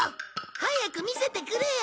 早く見せてくれよ。